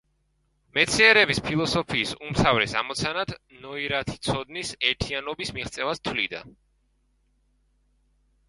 მეცნიერების ფილოსოფიის უმთავრეს ამოცანად ნოირათი ცოდნის ერთიანობის მიღწევას თვლიდა.